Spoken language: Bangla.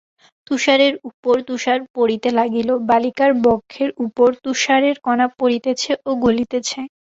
তুষারের উপর তুষার পড়িতে লাগিল, বালিকার বক্ষের উপর তুষারের কণা পড়িতেছে ও গলিতেছে।